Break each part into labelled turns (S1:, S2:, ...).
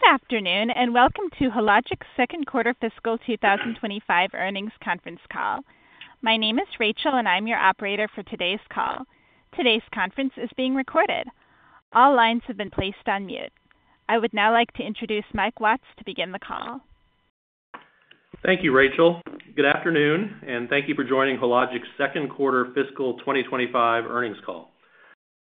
S1: Good afternoon, and welcome to Hologic's Second Quarter Fiscal 2025 Earnings Conference Call. My name is Rachel, and I'm your operator for today's call. Today's conference is being recorded. All lines have been placed on mute. I would now like to introduce Mike Watts to begin the call.
S2: Thank you, Rachel. Good afternoon, and thank you for joining Hologic's second quarter fiscal 2025 earnings call.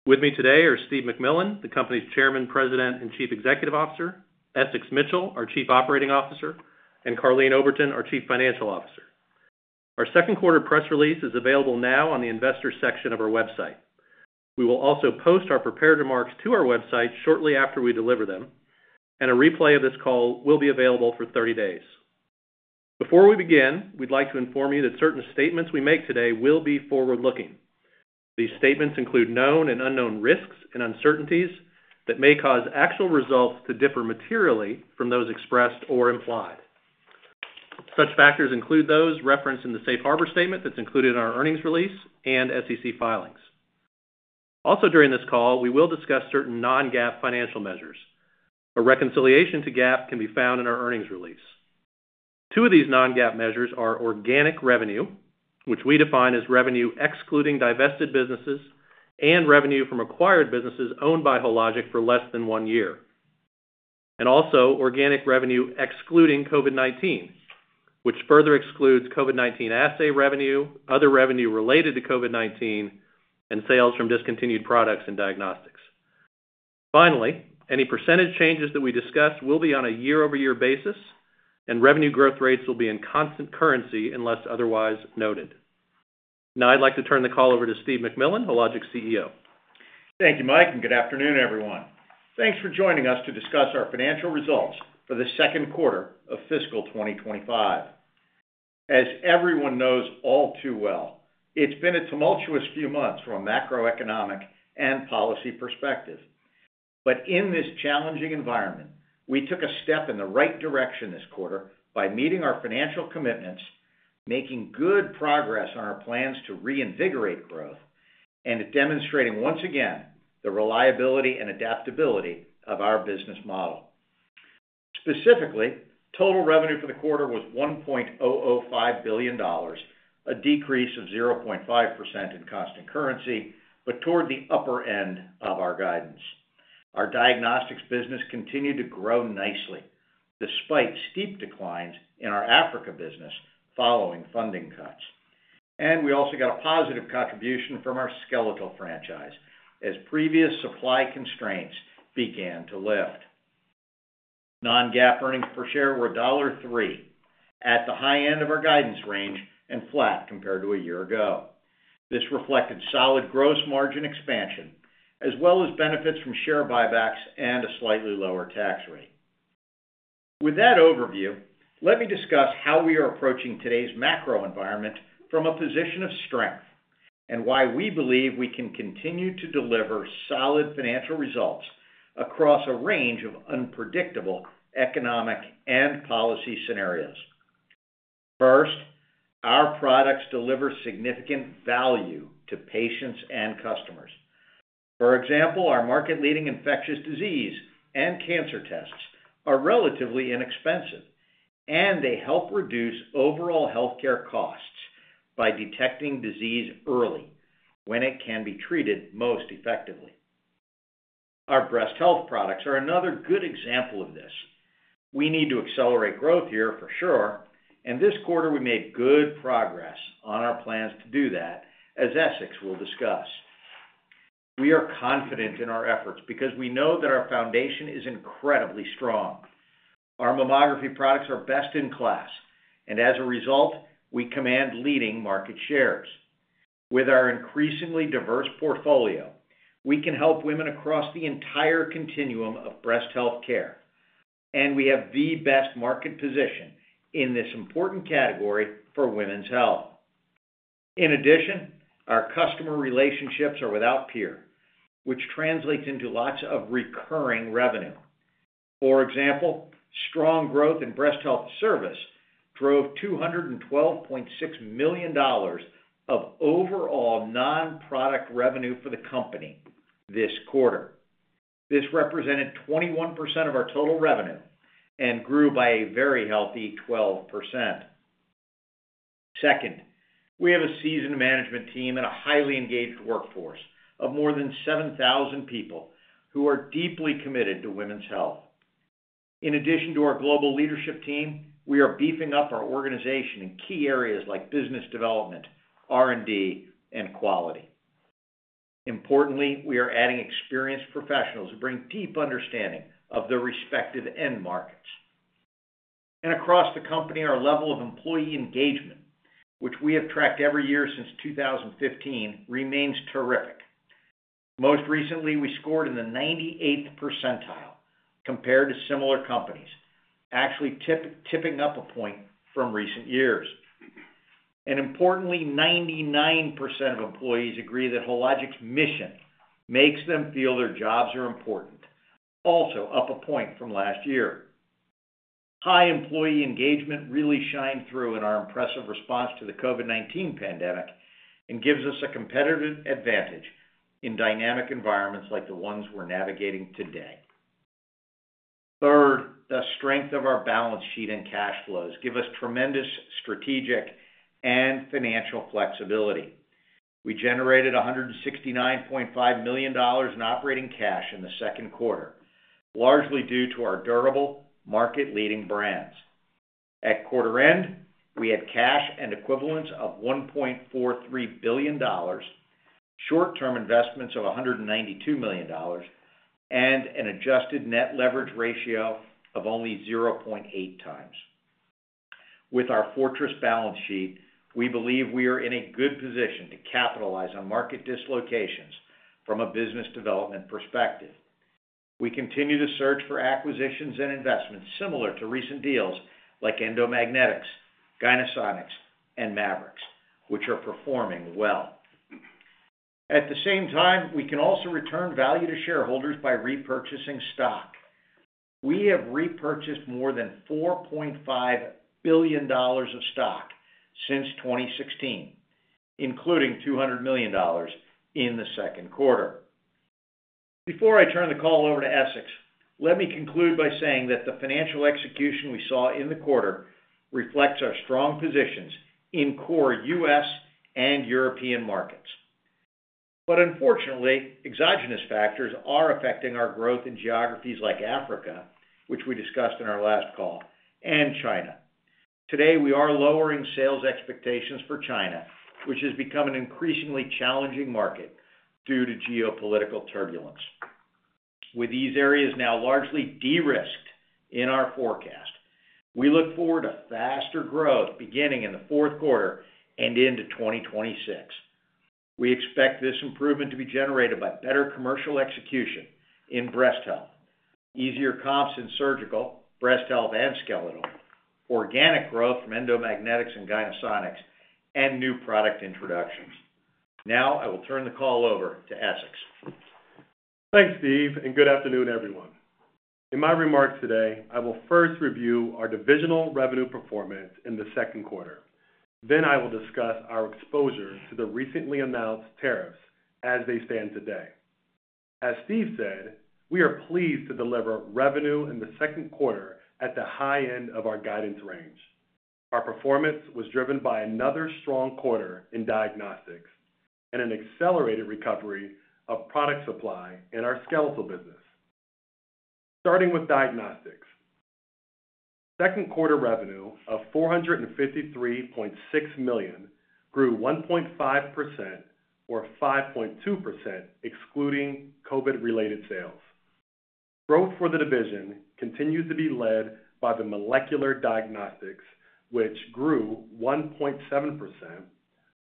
S2: With me today are Steve MacMillan, the company's Chairman, President, and Chief Executive Officer; Essex Mitchell, our Chief Operating Officer; and Karleen Oberton, our Chief Financial Officer. Our second quarter press release is available now on the investor section of our website. We will also post our prepared remarks to our website shortly after we deliver them, and a replay of this call will be available for 30 days. Before we begin, we'd like to inform you that certain statements we make today will be forward-looking. These statements include known and unknown risks and uncertainties that may cause actual results to differ materially from those expressed or implied. Such factors include those referenced in the safe harbor statement that's included in our earnings release and SEC filings. Also, during this call, we will discuss certain non-GAAP financial measures. A reconciliation to GAAP can be found in our earnings release. Two of these non-GAAP measures are organic revenue, which we define as revenue excluding divested businesses, and revenue from acquired businesses owned by Hologic for less than one year. Also, organic revenue excluding COVID-19, which further excludes COVID-19 assay revenue, other revenue related to COVID-19, and sales from discontinued products and diagnostics. Finally, any percentage changes that we discuss will be on a year-over-year basis, and revenue growth rates will be in constant currency unless otherwise noted. Now, I'd like to turn the call over to Steve MacMillan, Hologic's CEO.
S3: Thank you, Mike, and good afternoon, everyone. Thanks for joining us to discuss our financial results for the second quarter of fiscal 2025. As everyone knows all too well, it's been a tumultuous few months from a macroeconomic and policy perspective. In this challenging environment, we took a step in the right direction this quarter by meeting our financial commitments, making good progress on our plans to reinvigorate growth, and demonstrating once again the reliability and adaptability of our business model. Specifically, total revenue for the quarter was $1.005 billion, a decrease of 0.5% in constant currency, but toward the upper end of our guidance. Our diagnostics business continued to grow nicely despite steep declines in our Africa business following funding cuts. We also got a positive contribution from our skeletal franchise as previous supply constraints began to lift. Non-GAAP earnings per share were $1.03 at the high end of our guidance range and flat compared to a year ago. This reflected solid gross margin expansion as well as benefits from share buybacks and a slightly lower tax rate. With that overview, let me discuss how we are approaching today's macro environment from a position of strength and why we believe we can continue to deliver solid financial results across a range of unpredictable economic and policy scenarios. First, our products deliver significant value to patients and customers. For example, our market-leading infectious disease and cancer tests are relatively inexpensive, and they help reduce overall healthcare costs by detecting disease early when it can be treated most effectively. Our breast health products are another good example of this. We need to accelerate growth here for sure, and this quarter we made good progress on our plans to do that, as Essex will discuss. We are confident in our efforts because we know that our foundation is incredibly strong. Our mammography products are best in class, and as a result, we command leading market shares. With our increasingly diverse portfolio, we can help women across the entire continuum of breast healthcare, and we have the best market position in this important category for women's health. In addition, our customer relationships are without peer, which translates into lots of recurring revenue. For example, strong growth in breast health service drove $212.6 million of overall non-product revenue for the company this quarter. This represented 21% of our total revenue and grew by a very healthy 12%. Second, we have a seasoned management team and a highly engaged workforce of more than 7,000 people who are deeply committed to women's health. In addition to our global leadership team, we are beefing up our organization in key areas like business development, R&D, and quality. Importantly, we are adding experienced professionals who bring deep understanding of the respective end markets. Across the company, our level of employee engagement, which we have tracked every year since 2015, remains terrific. Most recently, we scored in the 98th percentile compared to similar companies, actually tipping up a point from recent years. Importantly, 99% of employees agree that Hologic's mission makes them feel their jobs are important, also up a point from last year. High employee engagement really shined through in our impressive response to the COVID-19 pandemic and gives us a competitive advantage in dynamic environments like the ones we're navigating today. Third, the strength of our balance sheet and cash flows gives us tremendous strategic and financial flexibility. We generated $169.5 million in operating cash in the second quarter, largely due to our durable market-leading brands. At quarter end, we had cash and equivalents of $1.43 billion, short-term investments of $192 million, and an adjusted net leverage ratio of only 0.8. With our fortress balance sheet, we believe we are in a good position to capitalize on market dislocations from a business development perspective. We continue to search for acquisitions and investments similar to recent deals like Endomagnetics, Gynesonics, and Maverix, which are performing well. At the same time, we can also return value to shareholders by repurchasing stock. We have repurchased more than $4.5 billion of stock since 2016, including $200 million in the second quarter. Before I turn the call over to Essex, let me conclude by saying that the financial execution we saw in the quarter reflects our strong positions in core U.S. and European markets. Unfortunately, exogenous factors are affecting our growth in geographies like Africa, which we discussed in our last call, and China. Today, we are lowering sales expectations for China, which has become an increasingly challenging market due to geopolitical turbulence. With these areas now largely de-risked in our forecast, we look forward to faster growth beginning in the fourth quarter and into 2026. We expect this improvement to be generated by better commercial execution in breast health, easier comps in surgical, breast health, and skeletal, organic growth from Endomagnetics and Gynesonics, and new product introductions. Now, I will turn the call over to Essex.
S4: Thanks, Steve, and good afternoon, everyone. In my remarks today, I will first review our divisional revenue performance in the second quarter. I will discuss our exposure to the recently announced tariffs as they stand today. As Steve said, we are pleased to deliver revenue in the second quarter at the high end of our guidance range. Our performance was driven by another strong quarter in diagnostics and an accelerated recovery of product supply in our skeletal business. Starting with diagnostics, second quarter revenue of $453.6 million grew 1.5% or 5.2% excluding COVID-related sales. Growth for the division continues to be led by the molecular diagnostics, which grew 1.7%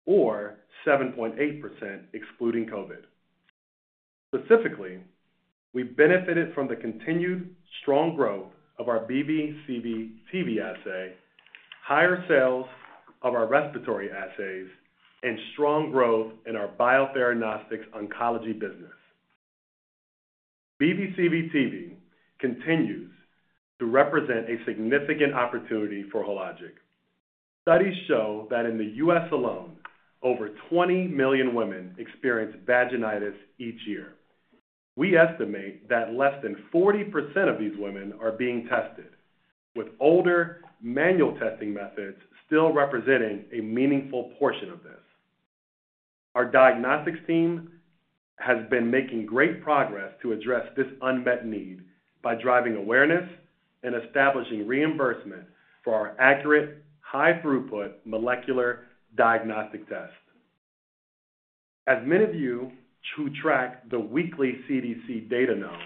S4: or 7.8% excluding COVID. Specifically, we benefited from the continued strong growth of our BV, CV/TV assay, higher sales of our respiratory assays, and strong growth in our Biotheranostics oncology business. BV/CV/TV continues to represent a significant opportunity for Hologic. Studies show that in the U.S. alone, over 20 million women experience vaginitis each year. We estimate that less than 40% of these women are being tested, with older manual testing methods still representing a meaningful portion of this. Our diagnostics team has been making great progress to address this unmet need by driving awareness and establishing reimbursement for our accurate, high-throughput molecular diagnostic tests. As many of you who track the weekly CDC data know,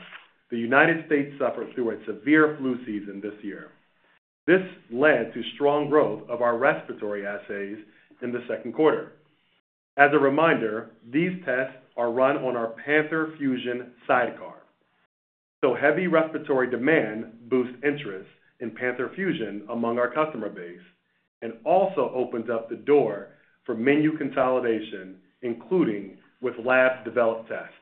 S4: the United States suffered through a severe flu season this year. This led to strong growth of our respiratory assays in the second quarter. As a reminder, these tests are run on our Panther Fusion sidecar. Heavy respiratory demand boosts interest in Panther Fusion among our customer base and also opens up the door for menu consolidation, including with lab-developed tests.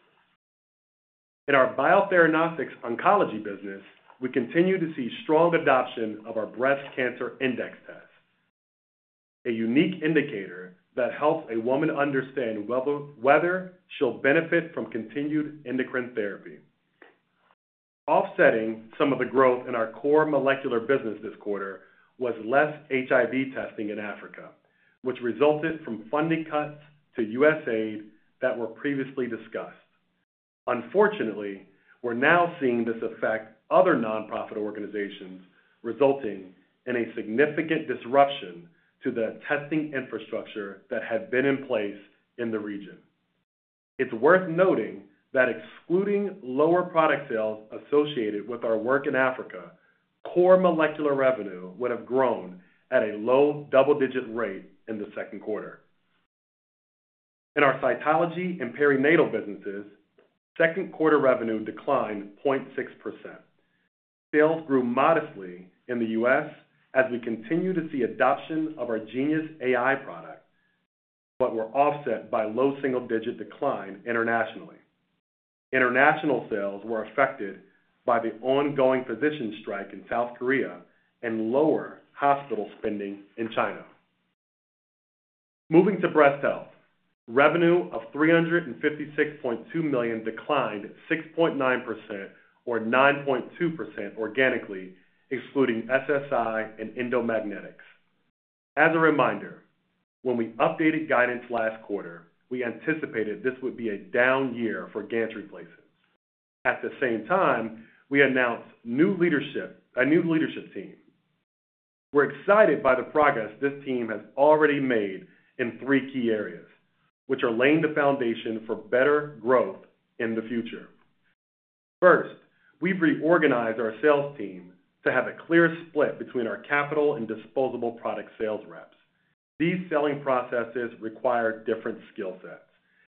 S4: In our Biotheranostics oncology business, we continue to see strong adoption of our Breast Cancer Index test, a unique indicator that helps a woman understand whether she'll benefit from continued endocrine therapy. Offsetting some of the growth in our core molecular business this quarter was less HIV testing in Africa, which resulted from funding cuts to U.S. aid that were previously discussed. Unfortunately, we're now seeing this affect other nonprofit organizations, resulting in a significant disruption to the testing infrastructure that had been in place in the region. It's worth noting that excluding lower product sales associated with our work in Africa, core molecular revenue would have grown at a low double-digit rate in the second quarter. In our cytology and perinatal businesses, second quarter revenue declined 0.6%. Sales grew modestly in the U.S. As we continue to see adoption of our Genius AI product, but were offset by low single-digit decline internationally. International sales were affected by the ongoing physician strike in South Korea and lower hospital spending in China. Moving to breast health, revenue of $356.2 million declined 6.9% or 9.2% organically, excluding SSI and Endomagnetics. As a reminder, when we updated guidance last quarter, we anticipated this would be a down year for gantry placements. At the same time, we announced a new leadership team. We're excited by the progress this team has already made in three key areas, which are laying the foundation for better growth in the future. First, we've reorganized our sales team to have a clear split between our capital and disposable product sales reps. These selling processes require different skill sets,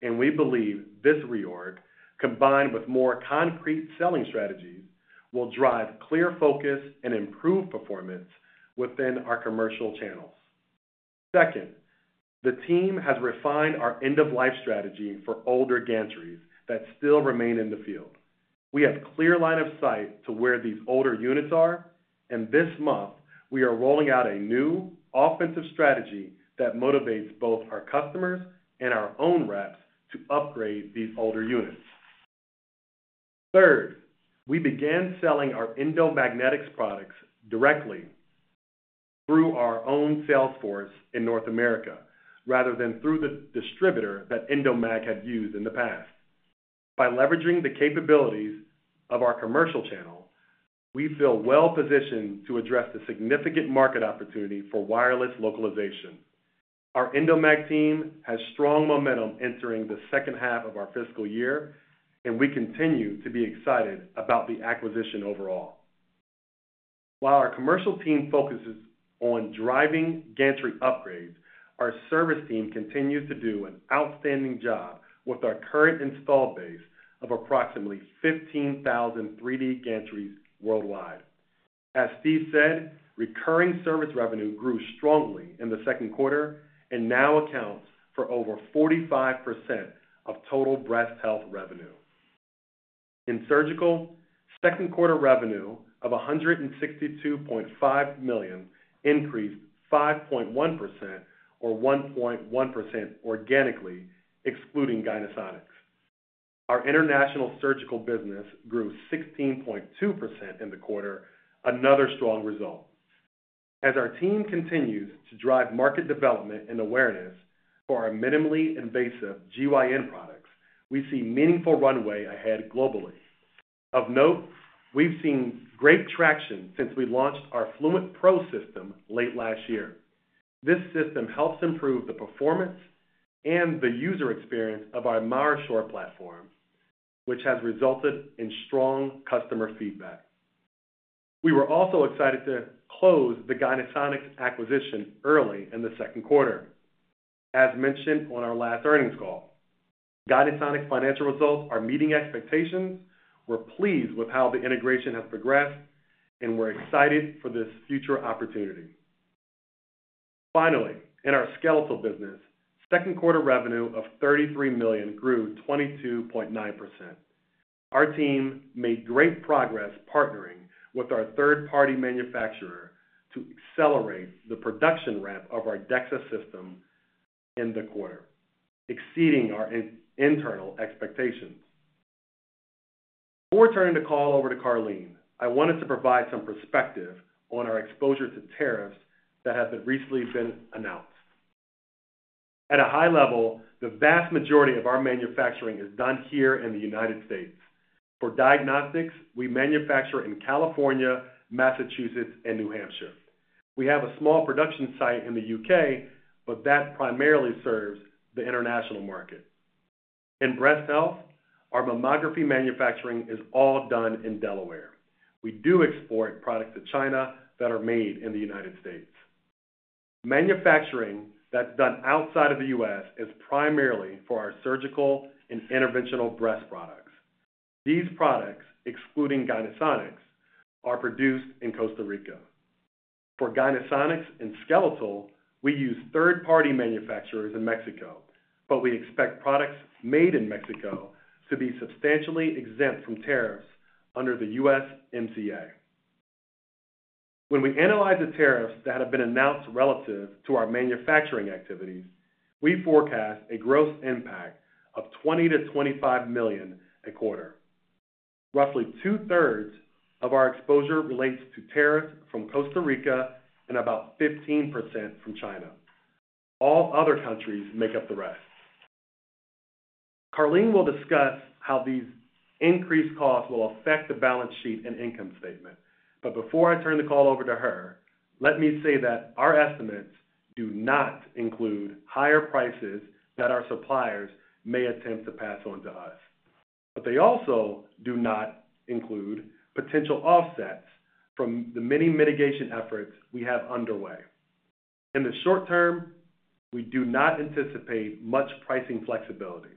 S4: and we believe this reorg, combined with more concrete selling strategies, will drive clear focus and improve performance within our commercial channels. Second, the team has refined our end-of-life strategy for older gantries that still remain in the field. We have a clear line of sight to where these older units are, and this month, we are rolling out a new offensive strategy that motivates both our customers and our own reps to upgrade these older units. Third, we began selling our Endomagnetics products directly through our own sales force in North America rather than through the distributor that Endomag had used in the past. By leveraging the capabilities of our commercial channel, we feel well-positioned to address the significant market opportunity for wireless localization. Our Endomag team has strong momentum entering the second half of our fiscal year, and we continue to be excited about the acquisition overall. While our commercial team focuses on driving gantry upgrades, our service team continues to do an outstanding job with our current installed base of approximately 15,000 3D gantries worldwide. As Steve said, recurring service revenue grew strongly in the second quarter and now accounts for over 45% of total breast health revenue. In surgical, second quarter revenue of $162.5 million increased 5.1% or 1.1% organically, excluding Gynesonics. Our international surgical business grew 16.2% in the quarter, another strong result. As our team continues to drive market development and awareness for our minimally invasive GYN products, we see a meaningful runway ahead globally. Of note, we've seen great traction since we launched our Fluent Pro system late last year. This system helps improve the performance and the user experience of our MyoSure platform, which has resulted in strong customer feedback. We were also excited to close the Gynesonics acquisition early in the second quarter, as mentioned on our last earnings call. Gynesonics' financial results are meeting expectations. We're pleased with how the integration has progressed, and we're excited for this future opportunity. Finally, in our skeletal business, second quarter revenue of $33 million grew 22.9%. Our team made great progress partnering with our third-party manufacturer to accelerate the production ramp of our DXA system in the quarter, exceeding our internal expectations. Before turning the call over to Karleen, I wanted to provide some perspective on our exposure to tariffs that have recently been announced. At a high level, the vast majority of our manufacturing is done here in the United States. For diagnostics, we manufacture in California, Massachusetts, and New Hampshire. We have a small production site in the U.K., but that primarily serves the international market. In breast health, our mammography manufacturing is all done in Delaware. We do export products to China that are made in the United States. Manufacturing that is done outside of the U.S. is primarily for our surgical and interventional breast products. These products, excluding Gynesonics, are produced in Costa Rica. For Gynesonics and skeletal, we use third-party manufacturers in Mexico, but we expect products made in Mexico to be substantially exempt from tariffs under the USMCA. When we analyze the tariffs that have been announced relative to our manufacturing activities, we forecast a gross impact of $20 million-$25 million a quarter. Roughly two-thirds of our exposure relates to tariffs from Costa Rica and about 15% from China. All other countries make up the rest. Karleen will discuss how these increased costs will affect the balance sheet and income statement. Before I turn the call over to her, let me say that our estimates do not include higher prices that our suppliers may attempt to pass on to us. They also do not include potential offsets from the many mitigation efforts we have underway. In the short term, we do not anticipate much pricing flexibility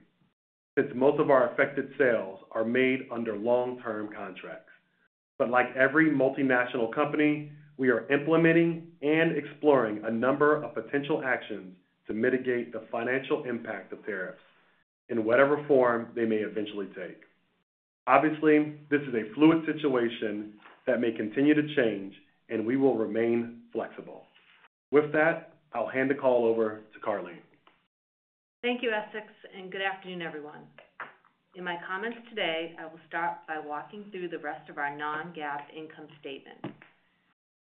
S4: since most of our affected sales are made under long-term contracts. Like every multinational company, we are implementing and exploring a number of potential actions to mitigate the financial impact of tariffs in whatever form they may eventually take. Obviously, this is a fluid situation that may continue to change, and we will remain flexible. With that, I'll hand the call over to Karleen.
S5: Thank you, Essex, and good afternoon, everyone. In my comments today, I will start by walking through the rest of our non-GAAP income statement,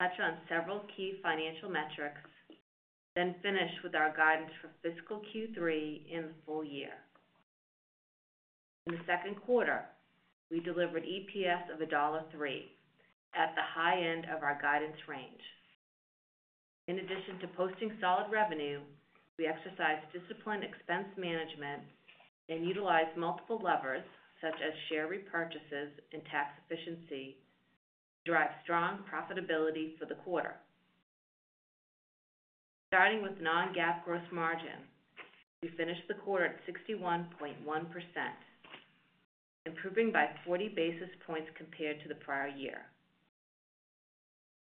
S5: touch on several key financial metrics, then finish with our guidance for fiscal Q3 and the full year. In the second quarter, we delivered EPS of $1.03 at the high end of our guidance range. In addition to posting solid revenue, we exercised disciplined expense management and utilized multiple levers, such as share repurchases and tax efficiency, to drive strong profitability for the quarter. Starting with non-GAAP gross margin, we finished the quarter at 61.1%, improving by 40 basis points compared to the prior year.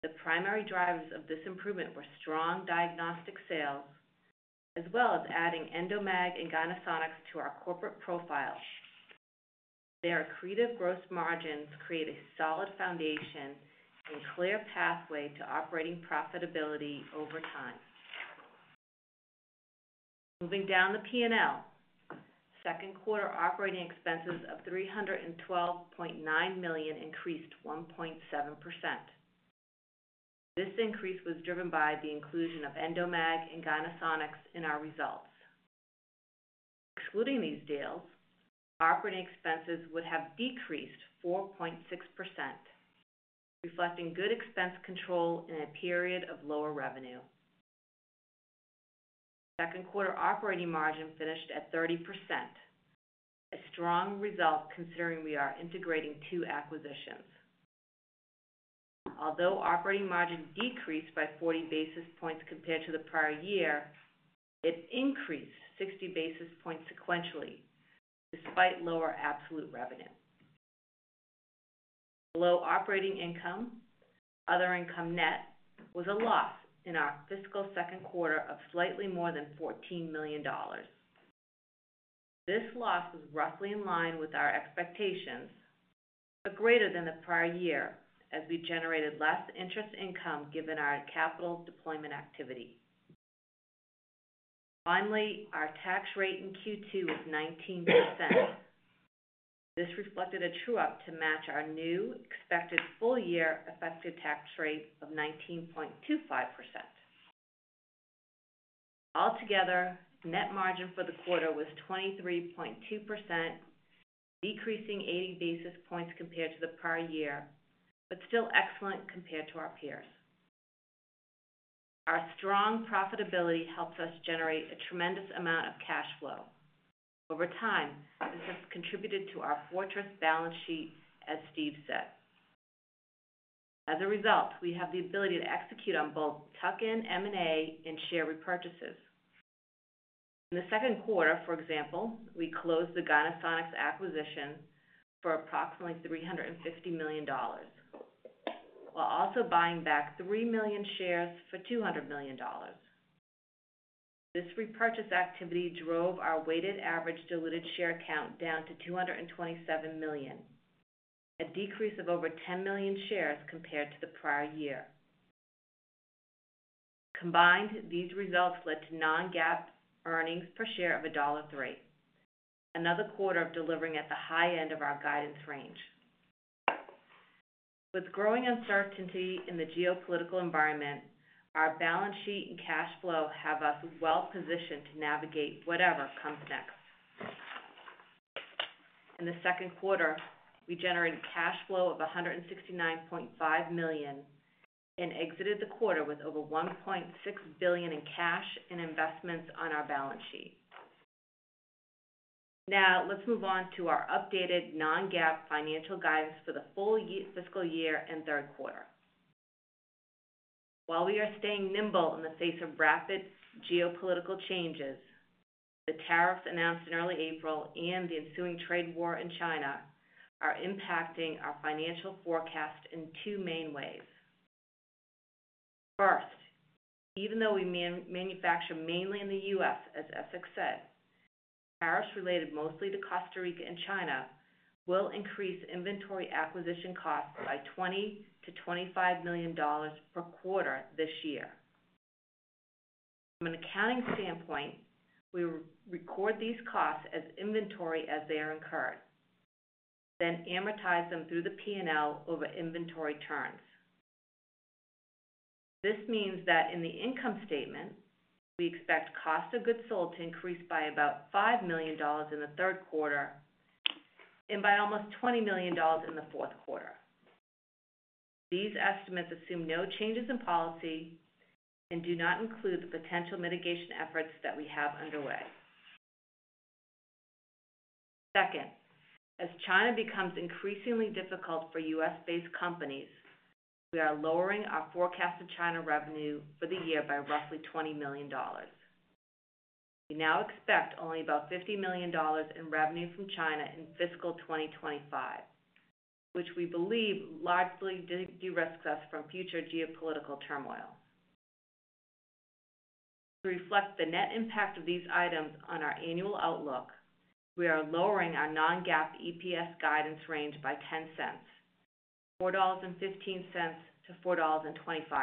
S5: The primary drivers of this improvement were strong diagnostic sales, as well as adding Endomag and Gynesonics to our corporate profiles. Their accretive gross margins create a solid foundation and clear pathway to operating profitability over time. Moving down the P&L, second quarter operating expenses of $312.9 million increased 1.7%. This increase was driven by the inclusion of Endomag and Gynesonics in our results. Excluding these deals, operating expenses would have decreased 4.6%, reflecting good expense control in a period of lower revenue. Second quarter operating margin finished at 30%, a strong result considering we are integrating two acquisitions. Although operating margin decreased by 40 basis points compared to the prior year, it increased 60 basis points sequentially despite lower absolute revenue. Below operating income, other income net was a loss in our fiscal second quarter of slightly more than $14 million. This loss was roughly in line with our expectations, but greater than the prior year as we generated less interest income given our capital deployment activity. Finally, our tax rate in Q2 was 19%. This reflected a true-up to match our new expected full-year effective tax rate of 19.25%. Altogether, net margin for the quarter was 23.2%, decreasing 80 basis points compared to the prior year, but still excellent compared to our peers. Our strong profitability helps us generate a tremendous amount of cash flow. Over time, this has contributed to our fortress balance sheet, as Steve said. As a result, we have the ability to execute on both tuck-in M&A and share repurchases. In the second quarter, for example, we closed the Gynesonics acquisition for approximately $350 million, while also buying back 3 million shares for $200 million. This repurchase activity drove our weighted average diluted share count down to 227 million, a decrease of over 10 million shares compared to the prior year. Combined, these results led to non-GAAP earnings per share of $1.03, another quarter of delivering at the high end of our guidance range. With growing uncertainty in the geopolitical environment, our balance sheet and cash flow have us well-positioned to navigate whatever comes next. In the second quarter, we generated cash flow of $169.5 million and exited the quarter with over $1.6 billion in cash and investments on our balance sheet. Now, let's move on to our updated non-GAAP financial guidance for the full fiscal year and third quarter. While we are staying nimble in the face of rapid geopolitical changes, the tariffs announced in early April and the ensuing trade war in China are impacting our financial forecast in two main ways. First, even though we manufacture mainly in the U.S., as Essex said, tariffs related mostly to Costa Rica and China will increase inventory acquisition costs by $20 million-$25 million per quarter this year. From an accounting standpoint, we record these costs as inventory as they are incurred, then amortize them through the P&L over inventory turns. This means that in the income statement, we expect cost of goods sold to increase by about $5 million in the third quarter and by almost $20 million in the fourth quarter. These estimates assume no changes in policy and do not include the potential mitigation efforts that we have underway. Second, as China becomes increasingly difficult for U.S.-based companies, we are lowering our forecasted China revenue for the year by roughly $20 million. We now expect only about $50 million in revenue from China in fiscal 2025, which we believe largely de-risks us from future geopolitical turmoil. To reflect the net impact of these items on our annual outlook, we are lowering our non-GAAP EPS guidance range by $0.10, $4.15-$4.25.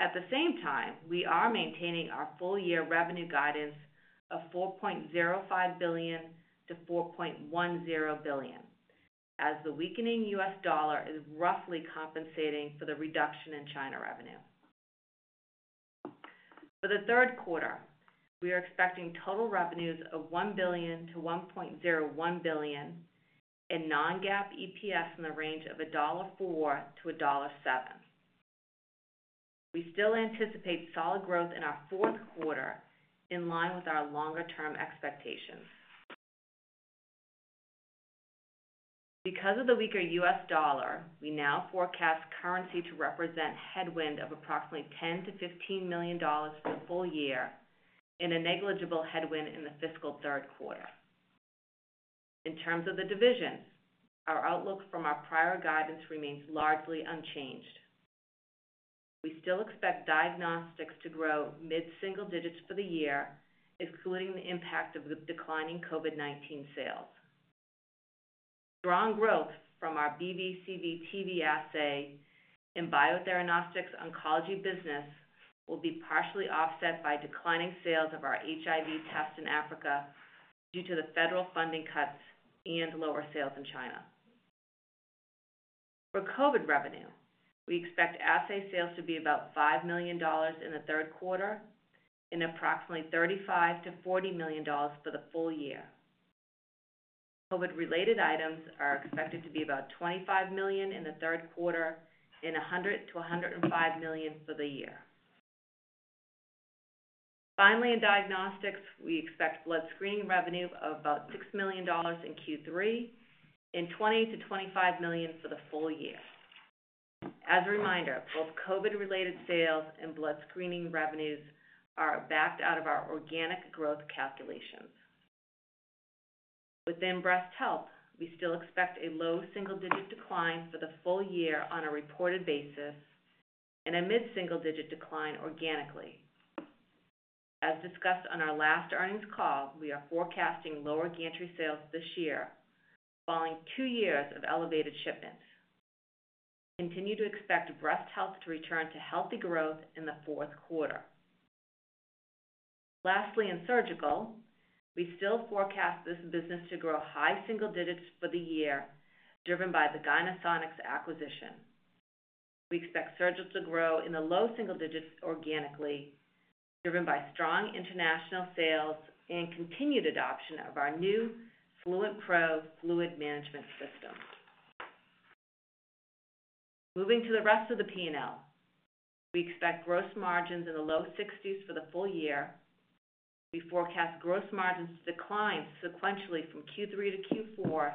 S5: At the same time, we are maintaining our full-year revenue guidance of $4.05 billion-$4.10 billion, as the weakening US dollar is roughly compensating for the reduction in China revenue. For the third quarter, we are expecting total revenues of $1 billion-$1.01 billion and non-GAAP EPS in the range of $1.04-$1.07. We still anticipate solid growth in our fourth quarter in line with our longer-term expectations. Because of the weaker US dollar, we now forecast currency to represent a headwind of approximately $10-$15 million for the full year and a negligible headwind in the fiscal third quarter. In terms of the divisions, our outlook from our prior guidance remains largely unchanged. We still expect diagnostics to grow mid-single digits for the year, excluding the impact of declining COVID-19 sales. Strong growth from our BV, CV/TV assay and Biotheranostics oncology business will be partially offset by declining sales of our HIV test in Africa due to the federal funding cuts and lower sales in China. For COVID revenue, we expect assay sales to be about $5 million in the third quarter and approximately $35-$40 million for the full year. COVID-related items are expected to be about $25 million in the third quarter and $100-$105 million for the year. Finally, in diagnostics, we expect blood screening revenue of about $6 million in Q3 and $20-$25 million for the full year. As a reminder, both COVID-related sales and blood screening revenues are backed out of our organic growth calculations. Within breast health, we still expect a low single-digit decline for the full year on a reported basis and a mid-single-digit decline organically. As discussed on our last earnings call, we are forecasting lower gantry sales this year, following two years of elevated shipments. Continue to expect breast health to return to healthy growth in the fourth quarter. Lastly, in surgical, we still forecast this business to grow high single digits for the year, driven by the Gynesonics acquisition. We expect surgical to grow in the low single digits organically, driven by strong international sales and continued adoption of our new Fluent Pro fluid management system. Moving to the rest of the P&L, we expect gross margins in the low 60s for the full year. We forecast gross margins to decline sequentially from Q3 to Q4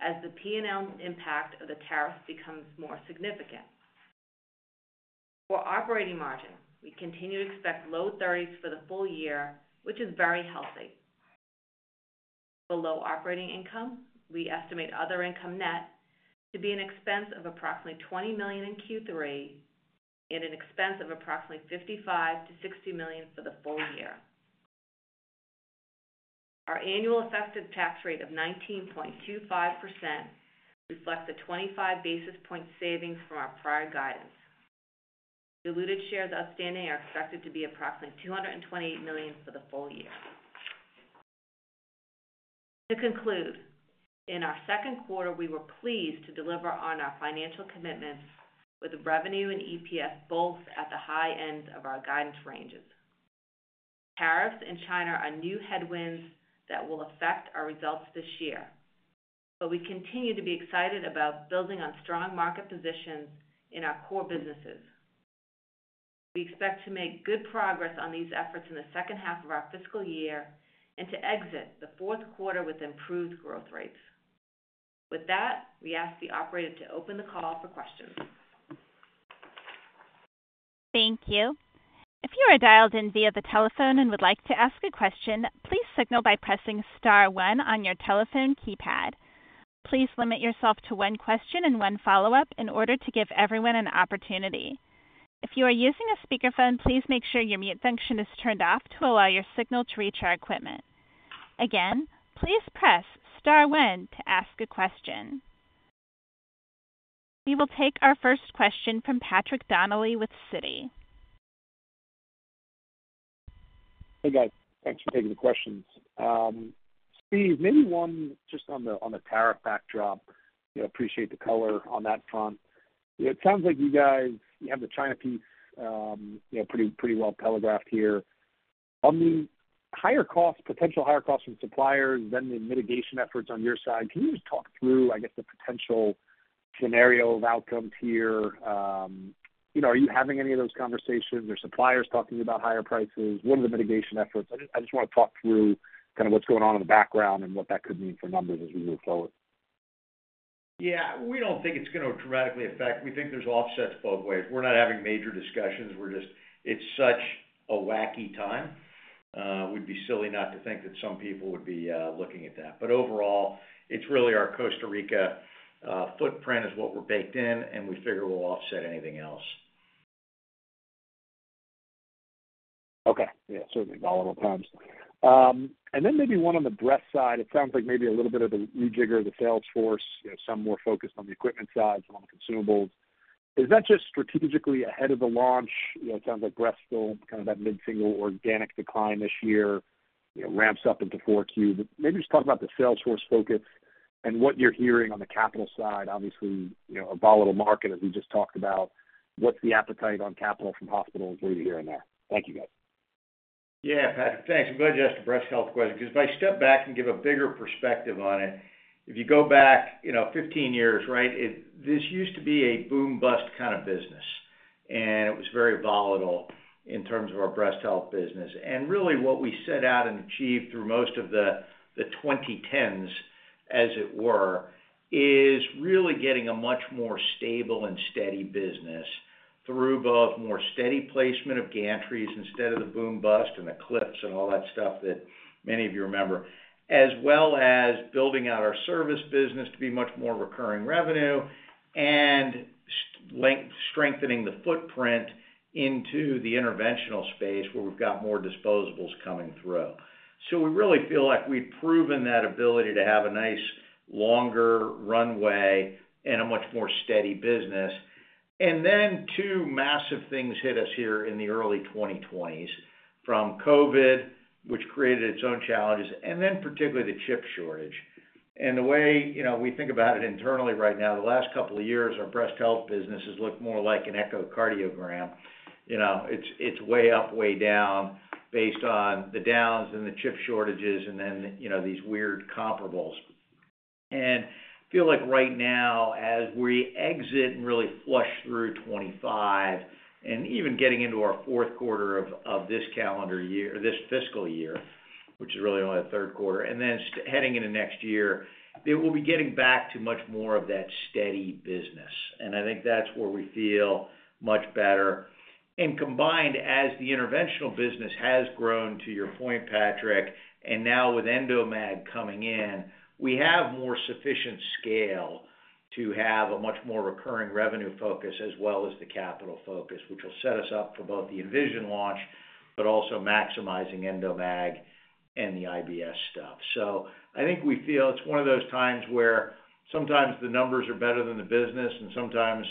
S5: as the P&L impact of the tariffs becomes more significant. For operating margin, we continue to expect low 30s for the full year, which is very healthy. Below operating income, we estimate other income net to be an expense of approximately $20 million in Q3 and an expense of approximately $55-$60 million for the full year. Our annual effective tax rate of 19.25% reflects the 25 basis point savings from our prior guidance. Diluted shares outstanding are expected to be approximately 228 million for the full year. To conclude, in our second quarter, we were pleased to deliver on our financial commitments with revenue and EPS both at the high ends of our guidance ranges. Tariffs in China are new headwinds that will affect our results this year, but we continue to be excited about building on strong market positions in our core businesses. We expect to make good progress on these efforts in the second half of our fiscal year and to exit the fourth quarter with improved growth rates. With that, we ask the operator to open the call for questions.
S1: Thank you. If you are dialed in via the telephone and would like to ask a question, please signal by pressing star one on your telephone keypad. Please limit yourself to one question and one follow-up in order to give everyone an opportunity. If you are using a speakerphone, please make sure your mute function is turned off to allow your signal to reach our equipment. Again, please press star one to ask a question. We will take our first question from Patrick Donnelly with Citi.
S6: Hey, guys. Thanks for taking the questions. Steve, maybe one just on the tariff backdrop. Appreciate the color on that front. It sounds like you guys have the China piece pretty well telegraphed here. On the higher cost, potential higher cost from suppliers, then the mitigation efforts on your side, can you just talk through, I guess, the potential scenario of outcomes here? Are you having any of those conversations? Are suppliers talking about higher prices? What are the mitigation efforts? I just want to talk through kind of what's going on in the background and what that could mean for numbers as we move forward.
S3: Yeah. We don't think it's going to dramatically affect. We think there's offsets both ways. We're not having major discussions. It's such a wacky time. It would be silly not to think that some people would be looking at that. Overall, it's really our Costa Rica footprint is what we're baked in, and we figure we'll offset anything else.
S6: Okay. Yeah. Certainly volatile times. Maybe one on the breast side, it sounds like maybe a little bit of the rejigger of the Salesforce, some more focused on the equipment side, some on the consumables. Is that just strategically ahead of the launch? It sounds like breast still kind of that mid-single organic decline this year ramps up into 4Q. Maybe just talk about the Salesforce focus and what you're hearing on the capital side, obviously a volatile market as we just talked about. What's the appetite on capital from hospitals? What are you hearing there? Thank you, guys.
S3: Yeah, Patrick. Thanks. I'm glad you asked the breast health question because if I step back and give a bigger perspective on it, if you go back 15 years, right, this used to be a boom-bust kind of business, and it was very volatile in terms of our breast health business. What we set out and achieved through most of the 2010s, as it were, is really getting a much more stable and steady business through both more steady placement of gantries instead of the boom-bust and the cliffs and all that stuff that many of you remember, as well as building out our service business to be much more recurring revenue and strengthening the footprint into the interventional space where we've got more disposables coming through. We really feel like we've proven that ability to have a nice longer runway and a much more steady business. Two massive things hit us here in the early 2020s from COVID, which created its own challenges, and then particularly the chip shortage. The way we think about it internally right now, the last couple of years, our breast health business has looked more like an echocardiogram. It's way up, way down based on the downs and the chip shortages and then these weird comparables. I feel like right now, as we exit and really flush through 2025 and even getting into our fourth quarter of this calendar year, this fiscal year, which is really only the third quarter, and then heading into next year, we'll be getting back to much more of that steady business. I think that's where we feel much better. Combined, as the interventional business has grown, to your point, Patrick, and now with Endomag coming in, we have more sufficient scale to have a much more recurring revenue focus as well as the capital focus, which will set us up for both the Envision launch but also maximizing Endomag and the IBS stuff. I think we feel it's one of those times where sometimes the numbers are better than the business, and sometimes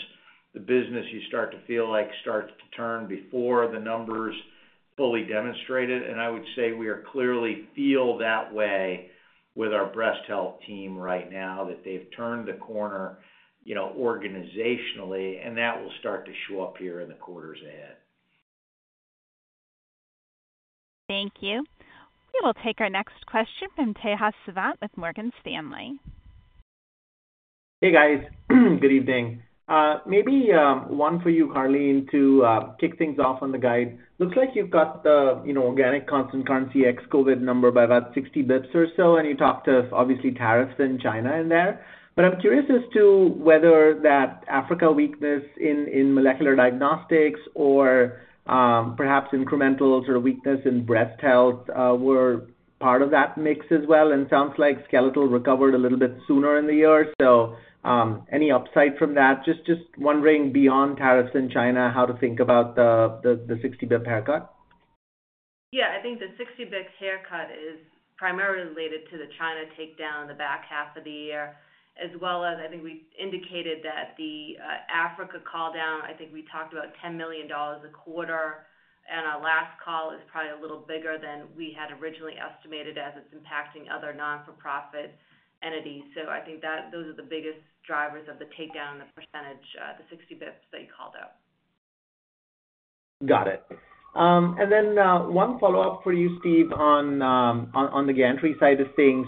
S3: the business you start to feel like starts to turn before the numbers fully demonstrated. I would say we clearly feel that way with our breast health team right now that they've turned the corner organizationally, and that will start to show up here in the quarters ahead.
S1: Thank you. We will take our next question from Tejas Savant with Morgan Stanley.
S7: Hey, guys. Good evening. Maybe one for you, Karleen, to kick things off on the guide. Looks like you've got the organic constant currency ex-COVID number by about 60 bps or so, and you talked of, obviously, tariffs in China in there. I'm curious as to whether that Africa weakness in molecular diagnostics or perhaps incremental sort of weakness in breast health were part of that mix as well. It sounds like skeletal recovered a little bit sooner in the year. Any upside from that? Just wondering, beyond tariffs in China, how to think about the 60-bps haircut?
S5: Yeah. I think the 60 bps haircut is primarily related to the China takedown in the back half of the year, as well as I think we indicated that the Africa call down, I think we talked about $10 million a quarter, and our last call is probably a little bigger than we had originally estimated as it's impacting other non-for-profit entities. I think those are the biggest drivers of the takedown in the percentage, the 60 bps that you called out.
S7: Got it. One follow-up for you, Steve, on the gantry side of things.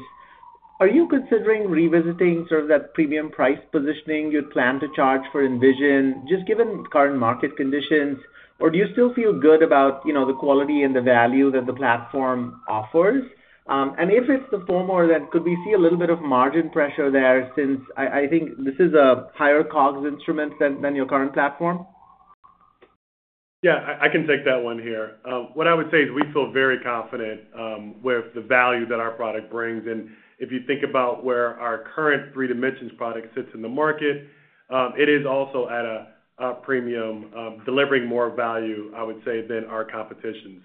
S7: Are you considering revisiting sort of that premium price positioning you'd plan to charge for Envision, just given current market conditions, or do you still feel good about the quality and the value that the platform offers? If it's the former, could we see a little bit of margin pressure there since I think this is a higher COGS instrument than your current platform?
S4: Yeah. I can take that one here. What I would say is we feel very confident with the value that our product brings. If you think about where our current 3Dimensions product sits in the market, it is also at a premium, delivering more value, I would say, than our competition.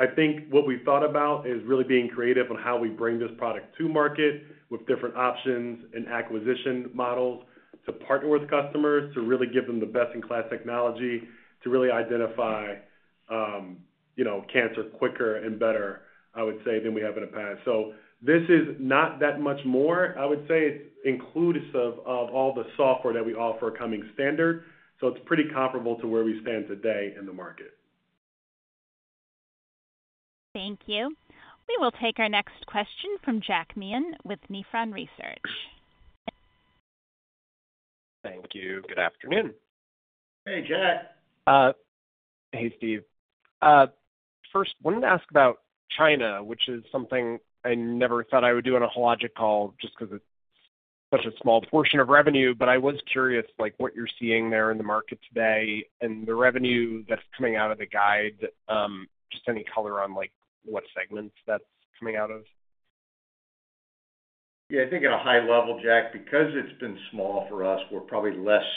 S4: I think what we've thought about is really being creative on how we bring this product to market with different options and acquisition models to partner with customers to really give them the best-in-class technology to really identify cancer quicker and better, I would say, than we have in the past. This is not that much more, I would say, inclusive of all the software that we offer coming standard. It's pretty comparable to where we stand today in the market.
S1: Thank you. We will take our next question from Jack Meehan with Nephron Research.
S8: Thank you. Good afternoon.
S3: Hey, Jack.
S8: Hey, Steve. First, I wanted to ask about China, which is something I never thought I would do on a Hologic call just because it's such a small portion of revenue. I was curious what you're seeing there in the market today and the revenue that's coming out of the guide, just any color on what segments that's coming out of.
S3: Yeah. I think at a high level, Jack, because it's been small for us, we're probably less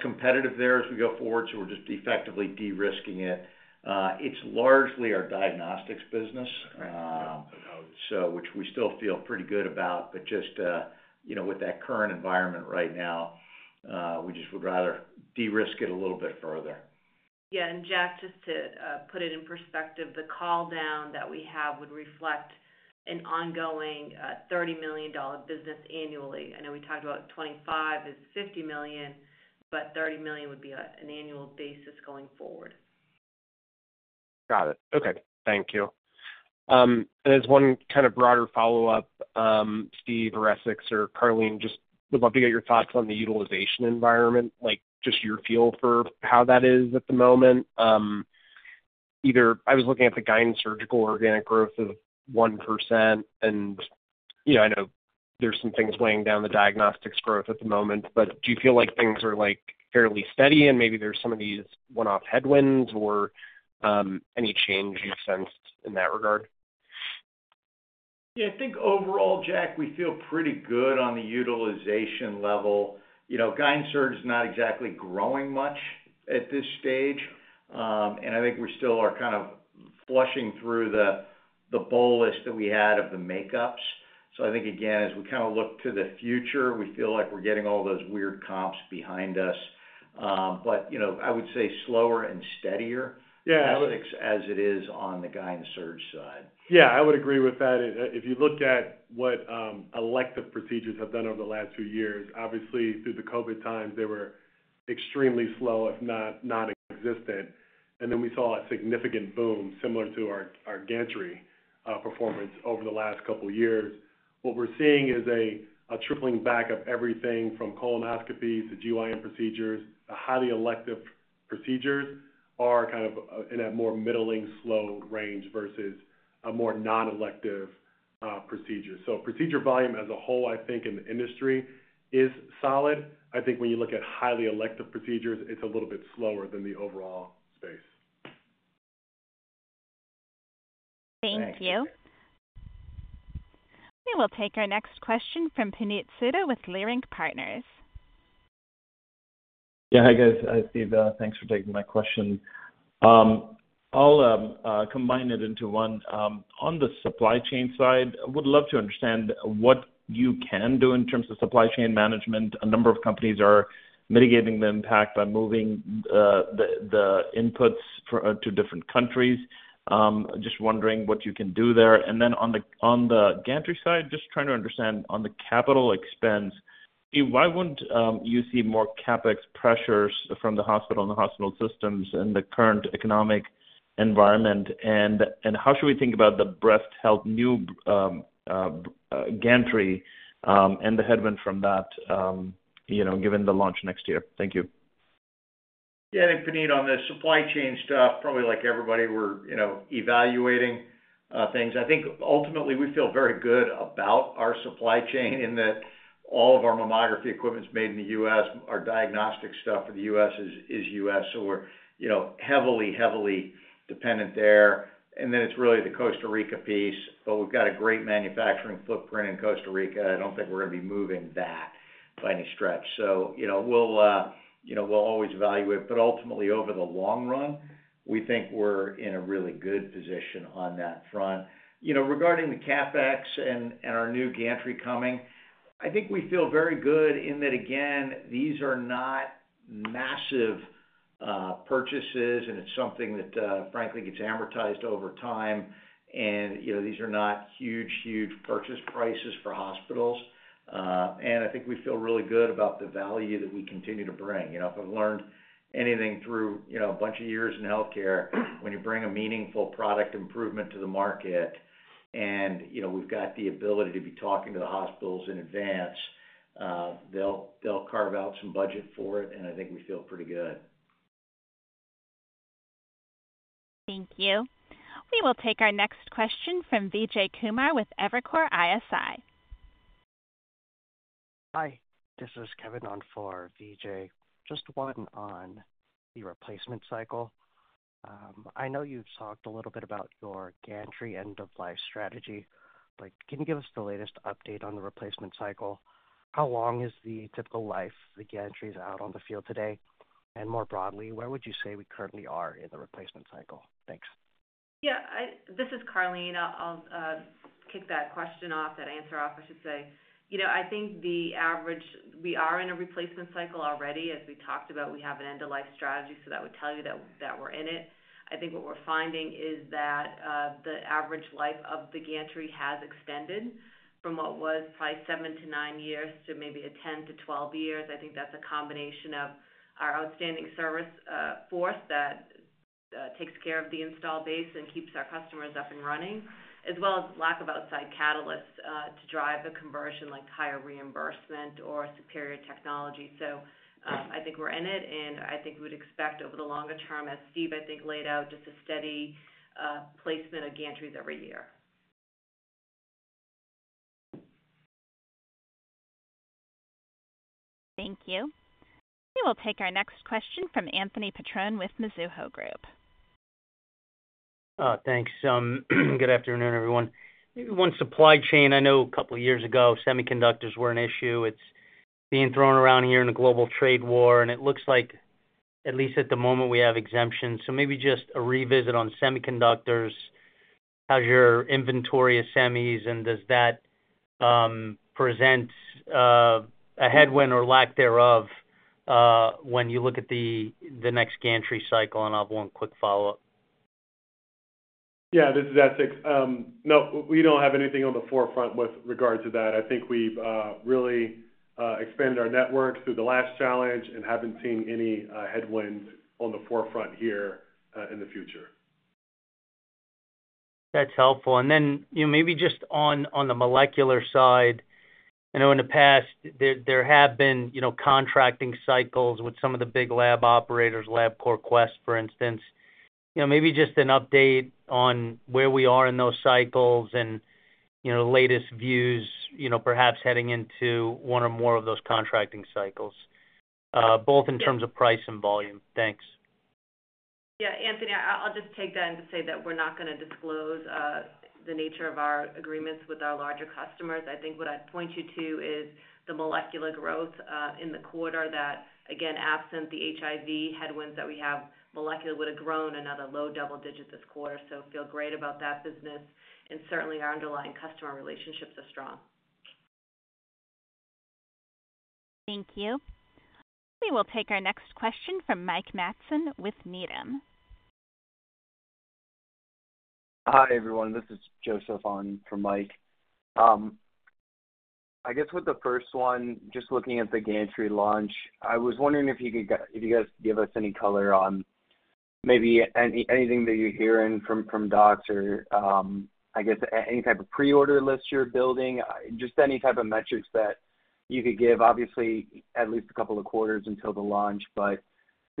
S3: competitive there as we go forward. We are just effectively de-risking it. It's largely our diagnostics business, which we still feel pretty good about. Just with that current environment right now, we would rather de-risk it a little bit further.
S5: Yeah. Jack, just to put it in perspective, the call down that we have would reflect an ongoing $30 million business annually. I know we talked about $25 million-$50 million, but $30 million would be an annual basis going forward.
S8: Got it. Okay. Thank you. As one kind of broader follow-up, Steve, Essex, or Karleen, just would love to get your thoughts on the utilization environment, just your feel for how that is at the moment. I was looking at the guidance surgical organic growth of 1%, and I know there's some things weighing down the diagnostics growth at the moment. Do you feel like things are fairly steady, and maybe there's some of these one-off headwinds or any change you've sensed in that regard?
S3: Yeah. I think overall, Jack, we feel pretty good on the utilization level. Guidance surge is not exactly growing much at this stage. I think we still are kind of flushing through the bowl list that we had of the makeups. I think, again, as we kind of look to the future, we feel like we're getting all those weird comps behind us. I would say slower and steadier as it is on the guidance surge side.
S4: Yeah. I would agree with that. If you look at what elective procedures have done over the last few years, obviously, through the COVID times, they were extremely slow, if not non-existent. We saw a significant boom similar to our gantry performance over the last couple of years. What we're seeing is a tripling back of everything from colonoscopies to GYN procedures. The highly elective procedures are kind of in a more middling slow range versus a more non-elective procedure. Procedure volume as a whole, I think, in the industry is solid. I think when you look at highly elective procedures, it's a little bit slower than the overall space.
S1: Thank you. We will take our next question from Puneet Souda with Leerink Partners.
S9: Yeah. Hi, guys. Steve, thanks for taking my question. I'll combine it into one. On the supply chain side, I would love to understand what you can do in terms of supply chain management. A number of companies are mitigating the impact by moving the inputs to different countries. Just wondering what you can do there. On the gantry side, just trying to understand on the capital expense, why wouldn't you see more CapEx pressures from the hospital and the hospital systems in the current economic environment? How should we think about the breast health new gantry and the headwind from that given the launch next year? Thank you.
S3: Yeah. I think, Puneet, on the supply chain stuff, probably like everybody, we're evaluating things. I think ultimately we feel very good about our supply chain in that all of our mammography equipment is made in the U.S. Our diagnostic stuff for the U.S. is U.S. So we're heavily, heavily dependent there. Then it's really the Costa Rica piece. We've got a great manufacturing footprint in Costa Rica. I don't think we're going to be moving that by any stretch. We'll always evaluate. Ultimately, over the long run, we think we're in a really good position on that front. Regarding the CapEx and our new gantry coming, I think we feel very good in that, again, these are not massive purchases, and it's something that, frankly, gets amortized over time. These are not huge, huge purchase prices for hospitals. I think we feel really good about the value that we continue to bring. If I've learned anything through a bunch of years in healthcare, when you bring a meaningful product improvement to the market and we've got the ability to be talking to the hospitals in advance, they'll carve out some budget for it. I think we feel pretty good.
S1: Thank you. We will take our next question from Vijay Kumar with Evercore ISI.
S10: Hi. This is Kevin on for Vijay. Just one on the replacement cycle. I know you've talked a little bit about your gantry end-of-life strategy. Can you give us the latest update on the replacement cycle? How long is the typical life of the gantry out on the field today? More broadly, where would you say we currently are in the replacement cycle? Thanks.
S5: Yeah. This is Karleen. I'll kick that question off, that answer off, I should say. I think the average we are in a replacement cycle already. As we talked about, we have an end-of-life strategy. That would tell you that we're in it. I think what we're finding is that the average life of the gantry has extended from what was probably 7-9 years to maybe 10-12 years. I think that's a combination of our outstanding service force that takes care of the install base and keeps our customers up and running, as well as lack of outside catalysts to drive a conversion like higher reimbursement or superior technology. I think we're in it. I think we would expect over the longer term, as Steve, I think, laid out, just a steady placement of gantries every year.
S1: Thank you. We will take our next question from Anthony Petrone with Mizuho Group.
S11: Thanks. Good afternoon, everyone. Maybe one supply chain. I know a couple of years ago, semiconductors were an issue. It's being thrown around here in a global trade war. It looks like, at least at the moment, we have exemptions. Maybe just a revisit on semiconductors. How's your inventory of semis? Does that present a headwind or lack thereof when you look at the next gantry cycle? I'll have one quick follow-up.
S4: Yeah. This is Essex. No, we don't have anything on the forefront with regard to that. I think we've really expanded our network through the last challenge and haven't seen any headwinds on the forefront here in the future.
S11: That's helpful. Maybe just on the molecular side, I know in the past there have been contracting cycles with some of the big lab operators, LabCorp, Quest, for instance. Maybe just an update on where we are in those cycles and the latest views, perhaps heading into one or more of those contracting cycles, both in terms of price and volume. Thanks.
S5: Yeah. Anthony, I'll just take that and say that we're not going to disclose the nature of our agreements with our larger customers. I think what I'd point you to is the molecular growth in the quarter that, again, absent the HIV headwinds that we have, molecular would have grown another low double digit this quarter. Feel great about that business. Certainly, our underlying customer relationships are strong.
S1: Thank you. We will take our next question from Mike Matson with Needham.
S12: Hi, everyone. This is Joseph on for Mike. I guess with the first one, just looking at the gantry launch, I was wondering if you guys could give us any color on maybe anything that you're hearing from docs or, I guess, any type of pre-order list you're building, just any type of metrics that you could give. Obviously, at least a couple of quarters until the launch.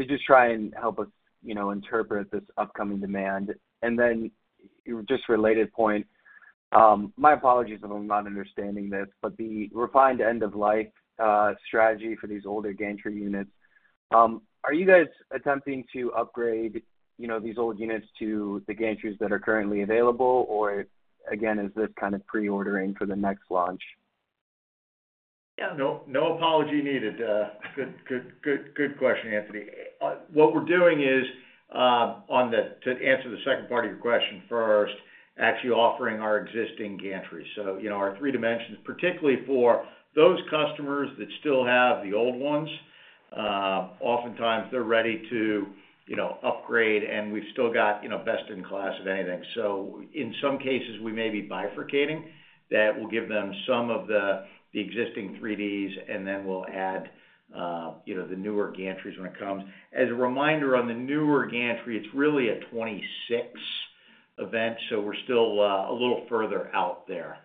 S12: Just try and help us interpret this upcoming demand. A related point, my apologies if I'm not understanding this, but the refined end-of-life strategy for these older gantry units, are you guys attempting to upgrade these old units to the gantries that are currently available? Or again, is this kind of pre-ordering for the next launch?
S3: Yeah. No apology needed. Good question, Anthony. What we're doing is, to answer the second part of your question first, actually offering our existing gantry. So our 3Dimensions, particularly for those customers that still have the old ones, oftentimes they're ready to upgrade, and we've still got best-in-class of anything. In some cases, we may be bifurcating that will give them some of the existing 3Ds, and then we'll add the newer gantries when it comes. As a reminder, on the newer gantry, it's really a 2026 event. We're still a little further out there.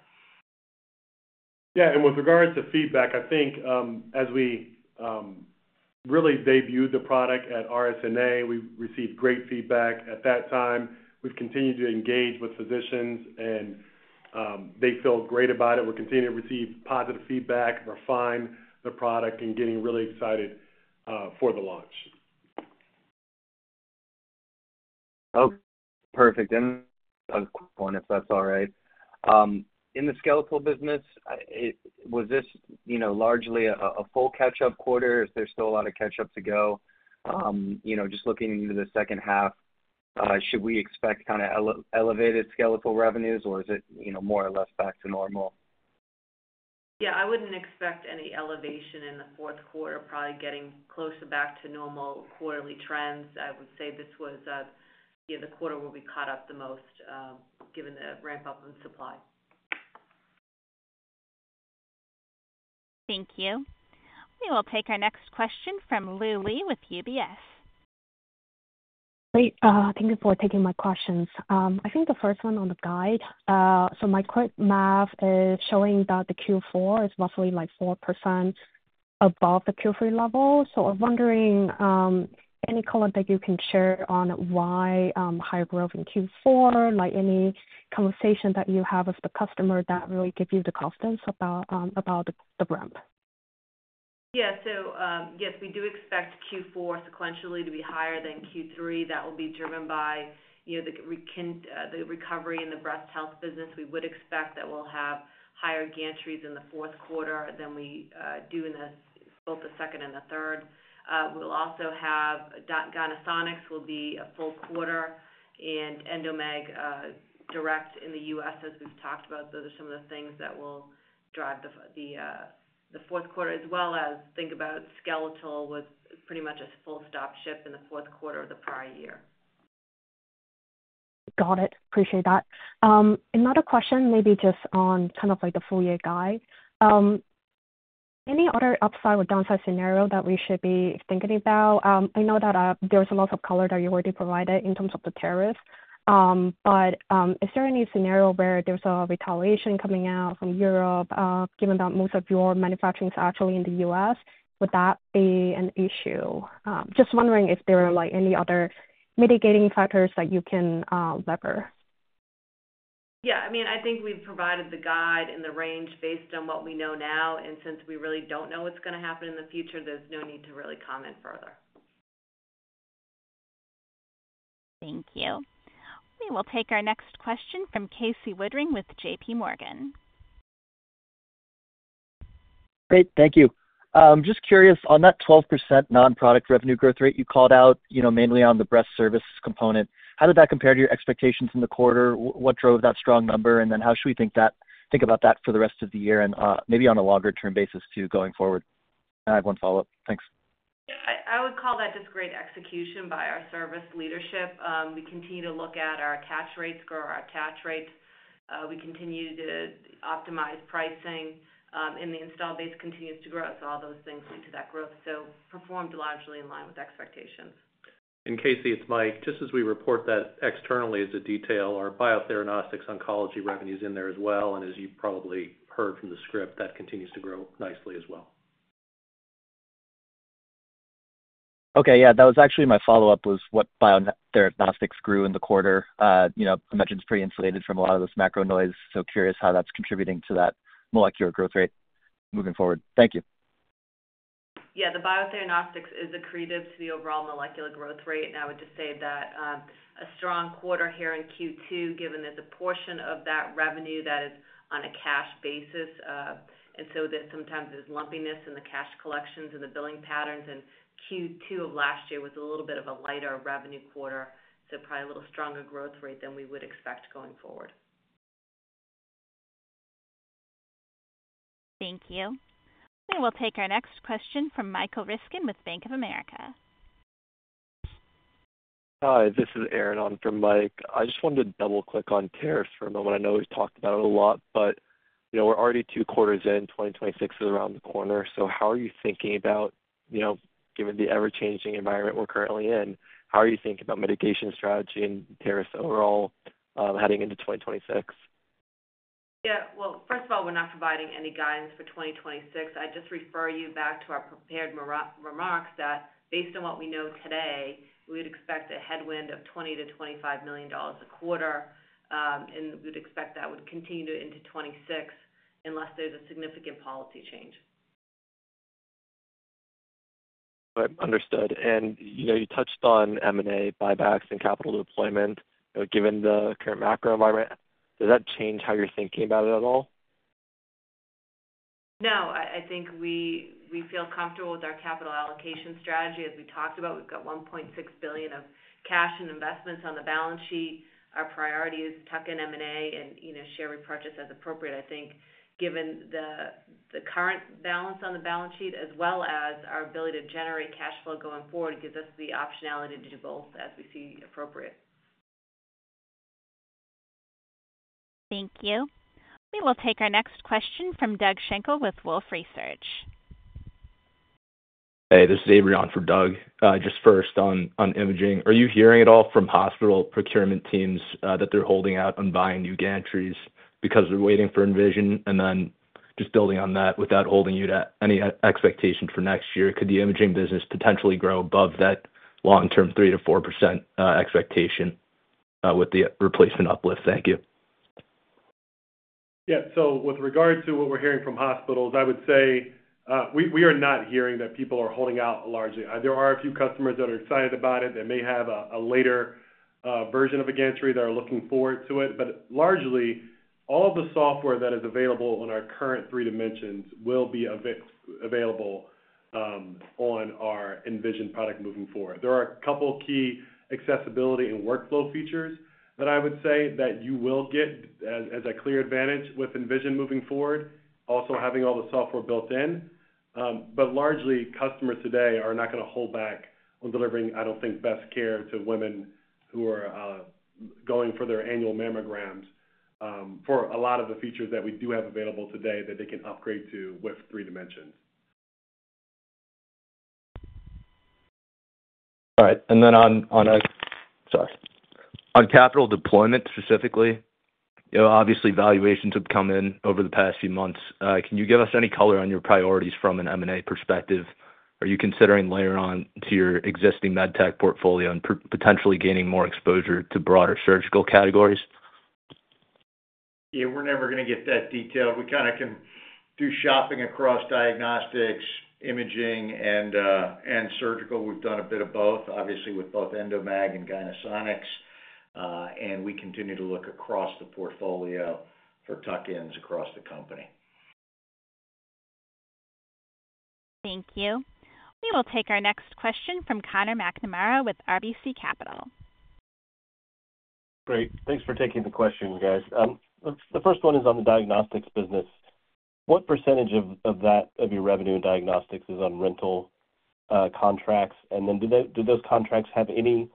S4: Yeah. With regards to feedback, I think as we really debuted the product at RSNA, we received great feedback at that time. We've continued to engage with physicians, and they feel great about it. We're continuing to receive positive feedback, refine the product, and getting really excited for the launch.
S12: Okay. Perfect. A quick one, if that's all right. In the skeletal business, was this largely a full catch-up quarter? Is there still a lot of catch-up to go? Just looking into the second half, should we expect kind of elevated skeletal revenues, or is it more or less back to normal?
S5: Yeah. I would not expect any elevation in the fourth quarter, probably getting closer back to normal quarterly trends. I would say this was the quarter where we caught up the most given the ramp-up in supply.
S1: Thank you. We will take our next question from Lu Li with UBS.
S13: Great. Thank you for taking my questions. I think the first one on the guide. My quick math is showing that the Q4 is roughly 4% above the Q3 level. I am wondering any comment that you can share on why high growth in Q4, any conversation that you have with the customer that really gives you the confidence about the ramp?
S5: Yeah. Yes, we do expect Q4 sequentially to be higher than Q3. That will be driven by the recovery in the breast health business. We would expect that we'll have higher gantries in the fourth quarter than we do in both the second and the third. We'll also have Gynesonics will be a full quarter and Endomag direct in the U.S., as we've talked about. Those are some of the things that will drive the fourth quarter, as well as think about skeletal with pretty much a full-stop ship in the fourth quarter of the prior year.
S13: Got it. Appreciate that. Another question, maybe just on kind of the full year guide. Any other upside or downside scenario that we should be thinking about? I know that there's a lot of color that you already provided in terms of the tariffs. Is there any scenario where there's a retaliation coming out from Europe, given that most of your manufacturing is actually in the U.S.? Would that be an issue? Just wondering if there are any other mitigating factors that you can lever.
S5: Yeah. I mean, I think we've provided the guide and the range based on what we know now. Since we really don't know what's going to happen in the future, there's no need to really comment further.
S1: Thank you. We will take our next question from Casey Woodring with JPMorgan.
S14: Great. Thank you. Just curious, on that 12% nonproduct revenue growth rate you called out mainly on the breast service component, how did that compare to your expectations in the quarter? What drove that strong number? How should we think about that for the rest of the year and maybe on a longer-term basis too going forward? I have one follow-up. Thanks.
S5: Yeah. I would call that just great execution by our service leadership. We continue to look at our catch rates grow, our attach rates. We continue to optimize pricing, and the install base continues to grow. All those things lead to that growth. Performed largely in line with expectations.
S2: Casey, it's Mike. Just as we report that externally as a detail, our Biotheranostics oncology revenue is in there as well. As you probably heard from the script, that continues to grow nicely as well.
S14: Okay. Yeah. That was actually my follow-up was what Biotheranostics grew in the quarter. I imagine it's pretty insulated from a lot of this macro noise. Curious how that's contributing to that molecular growth rate moving forward. Thank you.
S5: Yeah. The Biotheranostics is accretive to the overall molecular growth rate. I would just say that a strong quarter here in Q2, given there is a portion of that revenue that is on a cash basis. There is sometimes this lumpiness in the cash collections and the billing patterns. Q2 of last year was a little bit of a lighter revenue quarter. Probably a little stronger growth rate than we would expect going forward.
S1: Thank you. We will take our next question from Michael Ryskin with Bank of America.
S15: Hi. This is Aaron on for Mike. I just wanted to double-click on tariffs for a moment. I know we've talked about it a lot, but we're already two quarters in. 2026 is around the corner. How are you thinking about, given the ever-changing environment we're currently in, how are you thinking about mitigation strategy and tariffs overall heading into 2026?
S5: Yeah. First of all, we're not providing any guidance for 2026. I just refer you back to our prepared remarks that based on what we know today, we would expect a headwind of $20 million-$25 million a quarter. We would expect that would continue into 2026 unless there's a significant policy change.
S15: Understood. You touched on M&A, buybacks, and capital deployment. Given the current macro environment, does that change how you're thinking about it at all?
S5: No. I think we feel comfortable with our capital allocation strategy. As we talked about, we've got $1.6 billion of cash and investments on the balance sheet. Our priority is tuck in M&A and share repurchase as appropriate. I think given the current balance on the balance sheet, as well as our ability to generate cash flow going forward, it gives us the optionality to do both as we see appropriate.
S1: Thank you. We will take our next question from Doug Schenkel with Wolfe Research.
S16: Hey, this is Avery from Doug. Just first on imaging, are you hearing at all from hospital procurement teams that they're holding out on buying new gantries because they're waiting for Envision? Then just building on that, without holding you to any expectation for next year, could the imaging business potentially grow above that long-term 3%-4% expectation with the replacement uplift? Thank you.
S4: Yeah. With regard to what we're hearing from hospitals, I would say we are not hearing that people are holding out largely. There are a few customers that are excited about it. They may have a later version of a gantry. They're looking forward to it. Largely, all of the software that is available on our current 3Dimensions will be available on our Envision product moving forward. There are a couple key accessibility and workflow features that I would say you will get as a clear advantage with Envision moving forward, also having all the software built in. Largely, customers today are not going to hold back on delivering, I don't think, best care to women who are going for their annual mammograms for a lot of the features that we do have available today that they can upgrade to with 3Dimensions.
S16: All right. On capital deployment specifically, obviously, valuations have come in over the past few months. Can you give us any color on your priorities from an M&A perspective? Are you considering layer on to your existing med tech portfolio and potentially gaining more exposure to broader surgical categories?
S3: Yeah. We're never going to get that detailed. We kind of can do shopping across diagnostics, imaging, and surgical. We've done a bit of both, obviously, with both Endomag and Gynesonics. We continue to look across the portfolio for tuck-ins across the company.
S1: Thank you. We will take our next question from Conor McNamara with RBC Capital.
S17: Great. Thanks for taking the question, guys. The first one is on the diagnostics business. What percentage of your revenue in diagnostics is on rental contracts? Do those contracts have any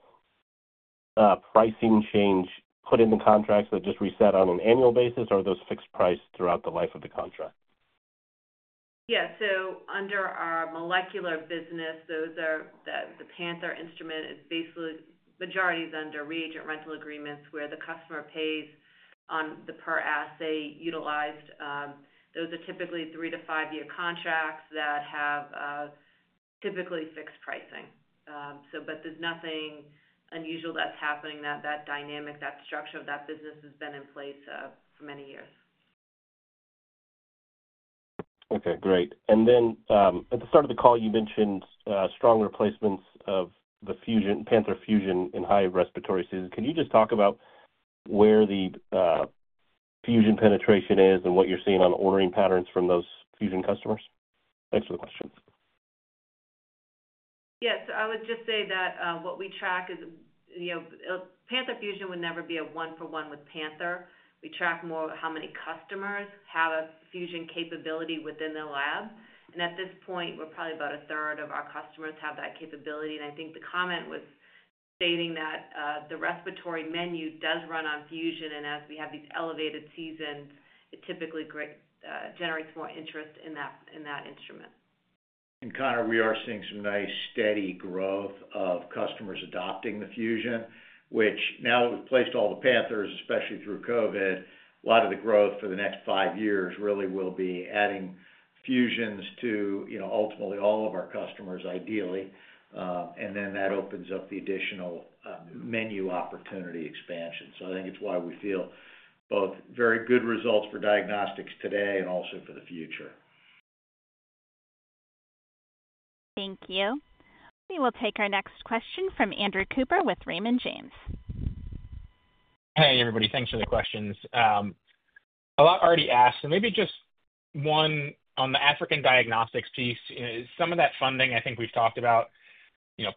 S17: pricing change put in the contracts that just reset on an annual basis, or are those fixed priced throughout the life of the contract?
S5: Yeah. Under our molecular business, the Panther instrument is basically—majority is under reagent rental agreements where the customer pays on the per assay utilized. Those are typically three to five-year contracts that have typically fixed pricing. There is nothing unusual that is happening. That dynamic, that structure of that business has been in place for many years.
S17: Okay. Great. At the start of the call, you mentioned strong replacements of the Panther Fusion in high respiratory seasons. Can you just talk about where the Fusion penetration is and what you're seeing on ordering patterns from those Fusion customers? Thanks for the question.
S5: Yeah. I would just say that what we track is Panther Fusion would never be a one-for-one with Panther. We track more how many customers have a Fusion capability within their lab. At this point, we're probably about a third of our customers have that capability. I think the comment was stating that the respiratory menu does run on Fusion. As we have these elevated seasons, it typically generates more interest in that instrument.
S3: Connor, we are seeing some nice steady growth of customers adopting the Fusion, which now that we've placed all the Panthers, especially through COVID, a lot of the growth for the next five years really will be adding Fusions to ultimately all of our customers, ideally. That opens up the additional menu opportunity expansion. I think it's why we feel both very good results for diagnostics today and also for the future.
S1: Thank you. We will take our next question from Andrew Cooper with Raymond James.
S18: Hey, everybody. Thanks for the questions. A lot already asked. Maybe just one on the African diagnostics piece. Some of that funding, I think we've talked about,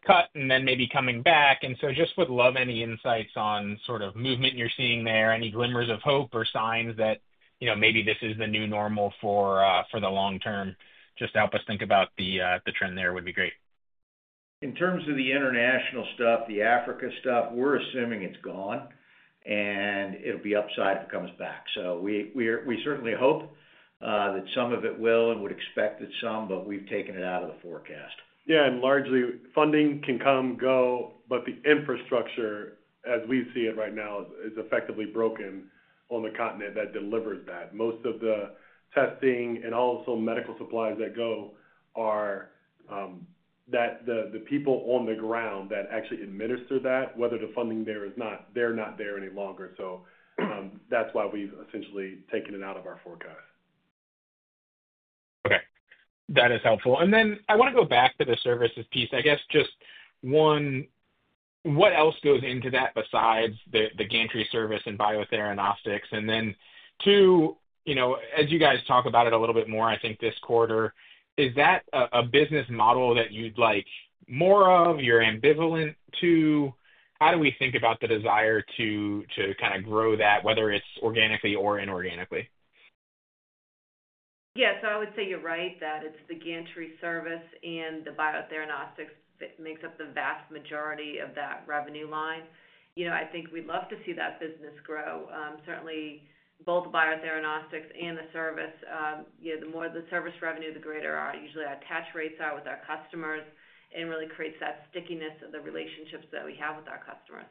S18: cut and then maybe coming back. I would love any insights on sort of movement you're seeing there, any glimmers of hope or signs that maybe this is the new normal for the long term. Just help us think about the trend there would be great.
S3: In terms of the international stuff, the Africa stuff, we're assuming it's gone, and it'll be upside if it comes back. We certainly hope that some of it will and would expect that some, but we've taken it out of the forecast.
S4: Yeah. Largely, funding can come and go, but the infrastructure, as we see it right now, is effectively broken on the continent that delivers that. Most of the testing and also medical supplies that go are the people on the ground that actually administer that. Whether the funding is there or not, they're not there any longer. That is why we've essentially taken it out of our forecast.
S18: Okay. That is helpful. I want to go back to the services piece. I guess just one, what else goes into that besides the gantry service and Biotheranostics? Two, as you guys talk about it a little bit more, I think this quarter, is that a business model that you'd like more of? You're ambivalent to? How do we think about the desire to kind of grow that, whether it's organically or inorganically?
S5: Yeah. I would say you're right that it's the gantry service and the Biotheranostics that makes up the vast majority of that revenue line. I think we'd love to see that business grow. Certainly, both Biotheranostics and the service, the more the service revenue, the greater usually our attach rates are with our customers and really creates that stickiness of the relationships that we have with our customers.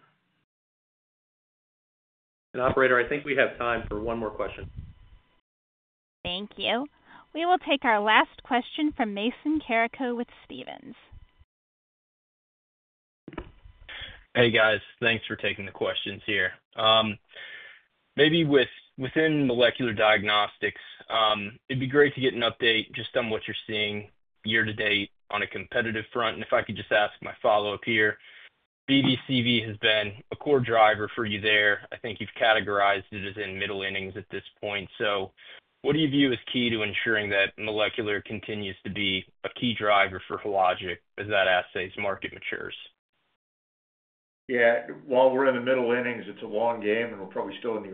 S2: Operator, I think we have time for one more question.
S1: Thank you. We will take our last question from Mason Carrico with Stephens.
S19: Hey, guys. Thanks for taking the questions here. Maybe within molecular diagnostics, it'd be great to get an update just on what you're seeing year to date on a competitive front. If I could just ask my follow-up here, BV, CV has been a core driver for you there. I think you've categorized it as in middle innings at this point. What do you view as key to ensuring that molecular continues to be a key driver for Hologic as that assay's market matures?
S3: Yeah. While we're in the middle innings, it's a long game, and we're probably still in the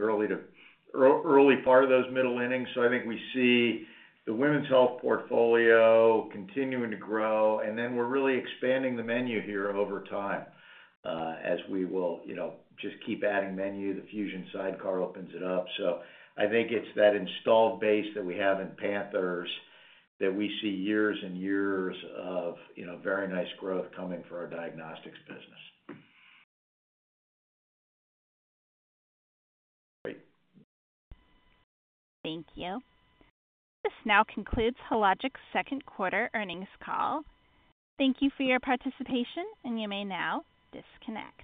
S3: early part of those middle innings. I think we see the women's health portfolio continuing to grow. We are really expanding the menu here over time as we will just keep adding menu. The Fusion sidecar opens it up. I think it's that installed base that we have in Panthers that we see years and years of very nice growth coming for our diagnostics business.
S1: Thank you. This now concludes Hologic's second quarter earnings call. Thank you for your participation, and you may now disconnect.